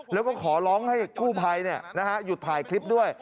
แล้วก็ขอร้องให้กู้ภัยหยุดถ่ายคลิปด้วย